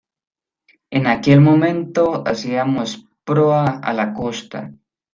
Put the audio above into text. en aquel momento hacíamos proa a la costa.